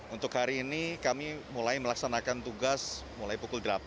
untuk hari ini kami mulai melaksanakan tugas mulai pukul delapan